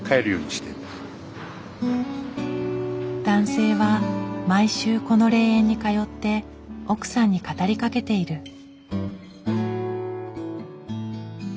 男性は毎週この霊園に通って奥さんに語りかけている。